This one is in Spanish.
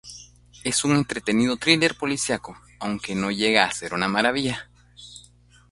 Es un entretenido thriller policíaco, aunque no llega a ser una maravilla.